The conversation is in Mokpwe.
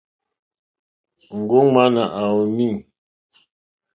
Òŋɡó múɲánà à wùùnî.